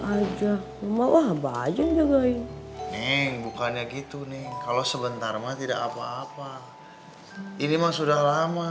aja mau abah aja nih bukannya gitu nih kalau sebentar mah tidak apa apa ini mah sudah lama